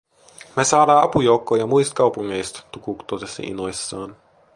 "Me saadaa apujoukkoja muist kaupungeist", Tukuk totesi innoissaan.